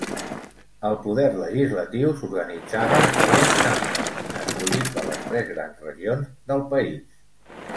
El poder legislatiu s'organitzava en dues cambres, escollit per les tres grans regions del país.